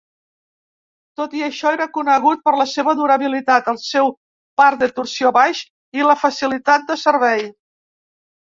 Tot i això, era conegut per la seva durabilitat, el seu par de torsió baix i la facilitat de servei.